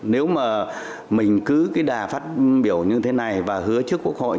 nếu mà mình cứ cái đà phát biểu như thế này và hứa trước quốc hội